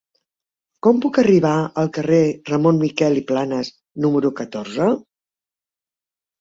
Com puc arribar al carrer de Ramon Miquel i Planas número catorze?